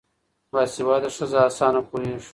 باسواده ښځه اسانه پوهيږي